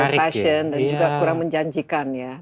ya agak old fashion dan juga kurang menjanjikan ya